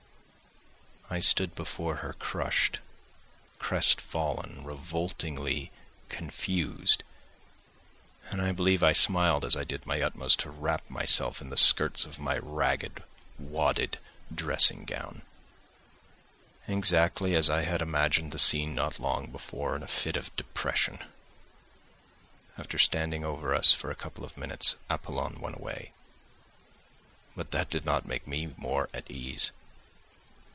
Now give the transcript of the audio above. I stood before her crushed, crestfallen, revoltingly confused, and I believe I smiled as I did my utmost to wrap myself in the skirts of my ragged wadded dressing gown—exactly as I had imagined the scene not long before in a fit of depression. After standing over us for a couple of minutes Apollon went away, but that did not make me more at ease.